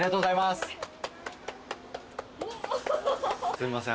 すいません。